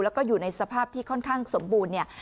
แล้วก็อยู่ในสภาพที่ค่อนข้างสมบูรณ์เนี่ย